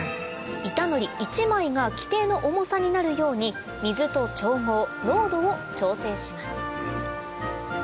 板のり１枚が規定の重さになるように水と調合濃度を調整します